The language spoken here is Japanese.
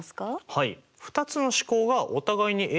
はい。